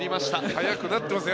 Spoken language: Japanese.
速くなってますね